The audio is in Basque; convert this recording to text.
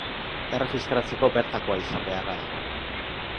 Erregistratzeko bertakoa izan beharra dago.